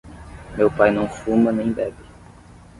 Meu pai não fuma nem bebe.